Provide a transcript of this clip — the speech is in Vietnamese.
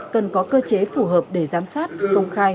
cần có cơ chế phù hợp để giám sát công khai